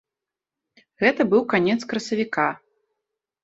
Гэта быў канец красавіка.